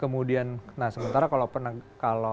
kemudian nah sementara kalau sentimen negatifnya ya